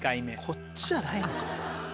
こっちじゃないのかな。